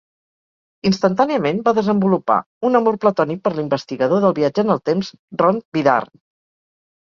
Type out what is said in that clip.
Instantàniament va desenvolupar un amor platònic per l'investigador del viatge en el temps Rond Vidar.